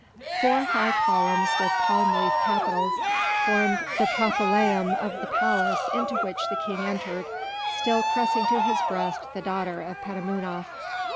Four high columns with palm leaf capitals formed the propylæum of the palace into which the king entered, still pressing to his breast the daughter of Petamounoph.